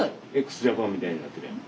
ＸＪＡＰＡＮみたいになってるやん。